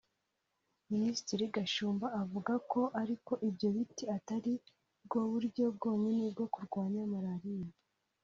Minisitiri Gashumba avuga ko ariko ibyo biti atari bwo buryo bwonyine bwo kurwanya Malaria